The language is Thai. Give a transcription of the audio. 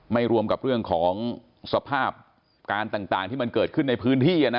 รวมกับเรื่องของสภาพการต่างที่มันเกิดขึ้นในพื้นที่นะ